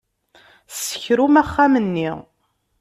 Ssekrum axxam-nni.